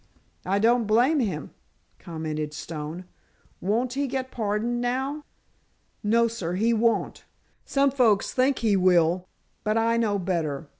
"I don't blame him," commented Stone. "Won't he get pardoned now?" "No, sir, he won't. Some folks think he will, but I know better.